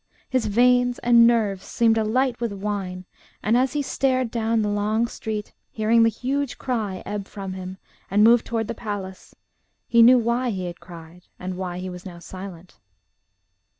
His veins and nerves seemed alight with wine; and as he stared down the long street, hearing the huge cry ebb from him and move toward the palace, he knew why he had cried, and why he was now silent.